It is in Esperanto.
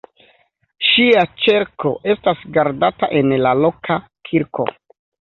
Ŝia ĉerko estas gardata en la loka kirko.